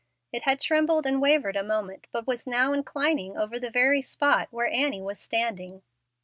It had trembled and wavered a moment, but was now inclining over the very spot where Annie was standing.